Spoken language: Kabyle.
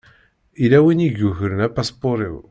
Yella win i yukren apaspuṛ-iw.